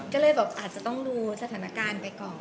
ก็เลยแบบอาจจะต้องดูสถานการณ์ไปก่อน